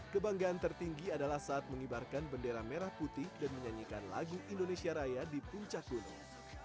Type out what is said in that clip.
kebanggaan tertinggi adalah saat mengibarkan bendera merah putih dan menyanyikan lagu indonesia raya di puncak gunung